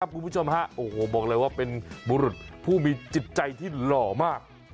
คุณผู้ชมฮะโอ้โหบอกเลยว่าเป็นบุรุษผู้มีจิตใจที่หล่อมาก